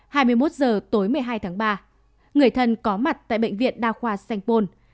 hai mươi một h tối một mươi hai tháng ba người thân có mặt tại bệnh viện đa khoa sanh pôn